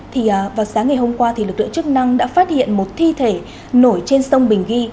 thì vào sáng ngày hôm qua lực lượng chức năng đã phát hiện một thi thể nổi trên sông bình ghi